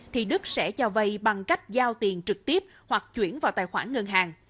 thì đức sẽ cho vay bằng cách giao tiền trực tiếp hoặc chuyển vào tài khoản ngân hàng